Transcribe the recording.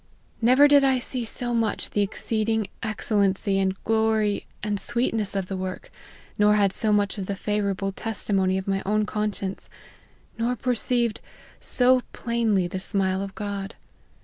Never did I see so much the exceeding excellency, and glory, and sweetness of the work, nor had so much the favour able testimony of my own conscience, nor perceived so plainly the smile of God.